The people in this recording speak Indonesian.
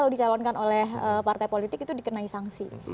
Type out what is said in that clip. kalau dicalonkan oleh partai politik itu dikenai sanksi